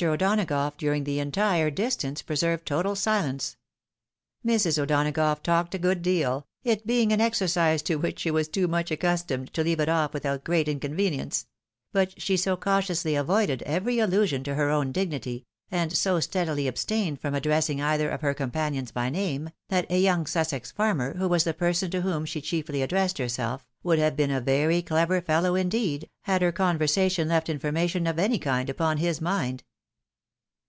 O'Donagough, during the entire distance, preserved total silence. Mrs. O'Donagough talked a good deal, it being an exercise to which she was too much accustomed, to leave it off without great inconvenience ; but she so cautiously avoided every allusion to her own dignity, and so steadily ab stained from addressing either of her companions by name, that a young Sussex farmer, who was the person to whom she chiefly addressed herself, would have been a very clever fellow, indeed, had her conversation left information of any kind upon his mind.